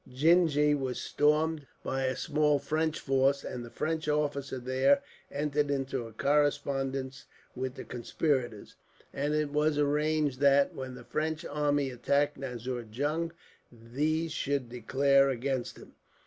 Gingee was stormed by a small French force, and the French officer there entered into a correspondence with the conspirators, and it was arranged that, when the French army attacked Nazir Jung, these should declare against him.